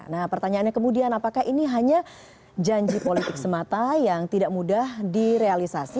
nah pertanyaannya kemudian apakah ini hanya janji politik semata yang tidak mudah direalisasi